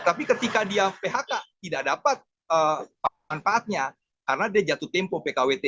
tapi ketika dia phk tidak dapat manfaatnya karena dia jatuh tempo pkwt